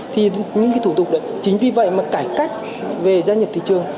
thì những thủ tục đấy chính vì vậy mà cải cách về gia nhập thị trường